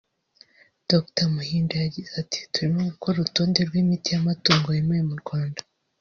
Dr Muhinda yagize ati “ Turimo gukora urutonde rw’imiti y’amatungo yemewe mu Rwanda